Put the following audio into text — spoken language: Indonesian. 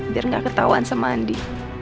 biar gak ketauan sama andi